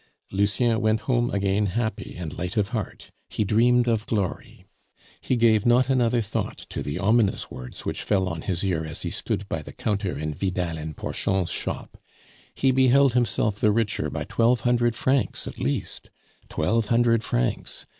Lucien went home again happy and light of heart; he dreamed of glory. He gave not another thought to the ominous words which fell on his ear as he stood by the counter in Vidal and Porchon's shop; he beheld himself the richer by twelve hundred francs at least. Twelve hundred francs!